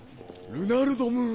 ルナルド・ムーン！